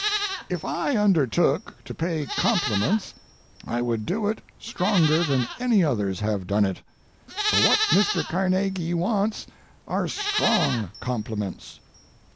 If I undertook to pay compliments I would do it stronger than any others have done it, for what Mr. Carnegie wants are strong compliments.